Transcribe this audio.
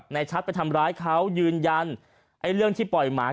ชัดไปทำร้ายเขายืนยันไอ้เรื่องที่ปล่อยหมา